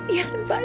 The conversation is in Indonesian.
iya kan pak